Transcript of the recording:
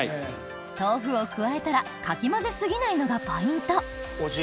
豆腐を加えたらかき混ぜ過ぎないのがポイントお塩。